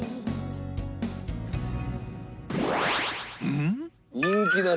うん？